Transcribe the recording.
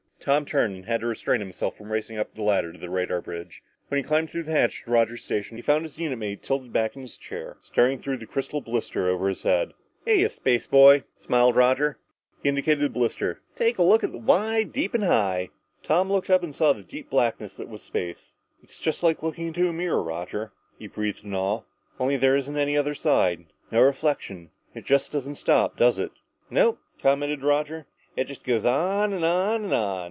Tom turned and had to restrain himself from racing up the ladder to the radar bridge. When he climbed through the hatch to Roger's station, he found his unit mate tilted back in his chair, staring through the crystal blister over his head. "Hiya, spaceboy," smiled Roger. He indicated the blister. "Take a look at the wide, deep and high." Tom looked up and saw the deep blackness that was space. "It's like looking into a mirror, Roger," he breathed in awe. "Only there isn't any other side no reflection. It just doesn't stop, does it?" "Nope," commented Roger, "it just goes on and on and on.